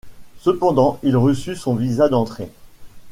Cependant il reçut son visa d'entrée.